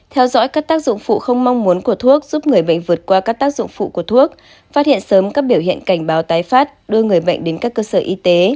theo dõi các tác dụng phụ không mong muốn của thuốc giúp người bệnh vượt qua các tác dụng phụ của thuốc phát hiện sớm các biểu hiện cảnh báo tái phát đưa người bệnh đến các cơ sở y tế